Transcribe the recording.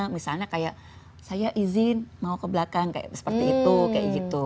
misalnya kayak saya izin mau ke belakang seperti itu kayak gitu